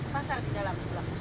pasar di jalan